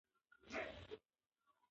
د ولس سره اړيکه يې پر باور ولاړه وه.